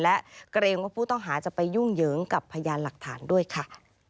และเกรงว่าผู้ต้องหาจะไปยุ่งเหยิงกับพยานหลักฐานด้วยค่ะ